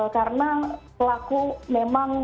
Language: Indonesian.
karena pelaku memang membagi bahwa